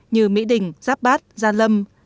như mỹ đình giáp bát gia lâm